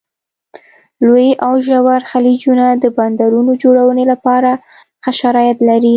لوی او ژور خلیجونه د بندرونو جوړونې لپاره ښه شرایط لري.